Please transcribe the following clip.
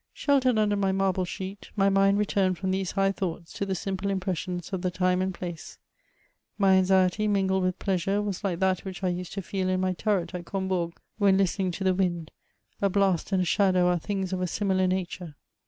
Sheltered under my marble sheet, my mind returned from these high thoughts to the ample impressions of the time and place. My anxiety, mingled ydth pleasure, was like that which I used to reel in my turret at Combourg, when listening to the yfind ; a blast and a shadow are things of a similar nature.